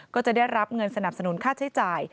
ก็จะได้รับเงินสนับสนุนค่าใช้จ่าย